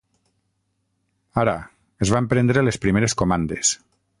Ara, es van prendre les primeres comandes.